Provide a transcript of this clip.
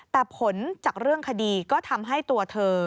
แต่ผลจากเรื่องคดีก็ทำให้ตัวเธอ